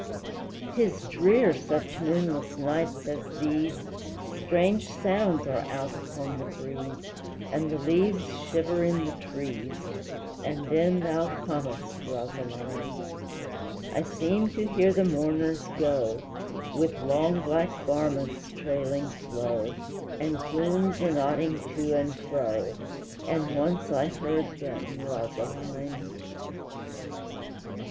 'Tis drear such moonless nights as these, Strange sounds are out upon the breeze, And the leaves shiver in the trees, And then thou comest, Rosaline! I seem to hear the mourners go, With long black garments trailing slow, And plumes anodding to and fro, As once I heard them, Rosaline!